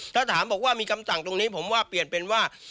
ถ้าถามบอกว่ามีคำสั่งตรงนี้ผมว่าเปลี่ยนเป็นว่า